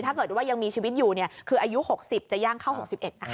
ถ้าเกิดว่ายังมีชีวิตอยู่คืออายุ๖๐จะย่างเข้า๖๑นะคะ